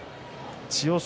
千代翔